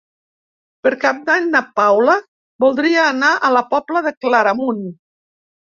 Per Cap d'Any na Paula voldria anar a la Pobla de Claramunt.